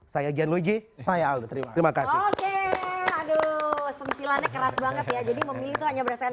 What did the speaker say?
saya jenoggi saya terima kasih aduh sentilannya keras banget ya jadi memiliki hanya berasal